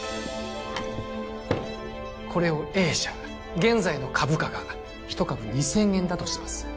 これをＡ社現在の株価が１株２０００円だとします